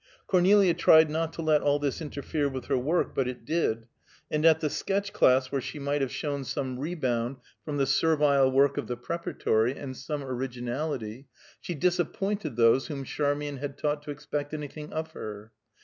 Cornelia tried not to let all this interfere with her work, but it did, and at the sketch class where she might have shown some rebound from the servile work of the Preparatory, and some originality, she disappointed those whom Charmian had taught to expect anything of her.